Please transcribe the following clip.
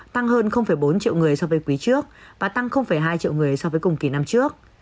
tăng hơn bốn triệu người so với quý trước và tăng hai triệu người so với cùng kỳ năm trước